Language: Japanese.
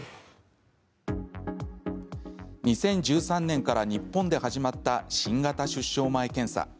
２０１３年から日本で始まった新型出生前検査。